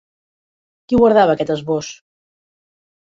Qui guardava aquest esbós?